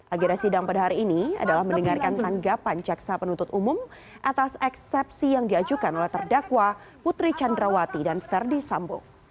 agenda sidang pada hari ini adalah mendengarkan tanggapan jaksa penuntut umum atas eksepsi yang diajukan oleh terdakwa putri candrawati dan verdi sambo